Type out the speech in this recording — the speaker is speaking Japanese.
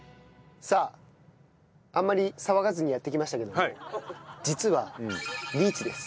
さああんまり騒がずにやってきましたけども実はリーチです。